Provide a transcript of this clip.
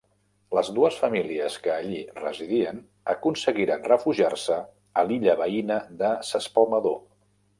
Les dues famílies que allí residien aconseguiren refugiar-se a l'illa veïna de s'Espalmador.